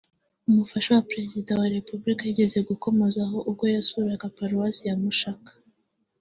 umufasha wa Perezida wa Repulika yigeze gukomozaho ubwo yasuraga Paruwasi ya Mushaka